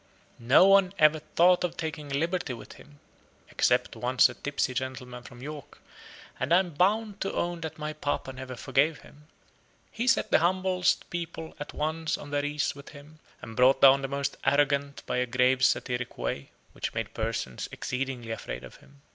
No one ever thought of taking a liberty with him (except once a tipsy gentleman from York, and I am bound to own that my papa never forgave him): he set the humblest people at once on their ease with him, and brought down the most arrogant by a grave satiric way, which made persons exceedingly afraid of him.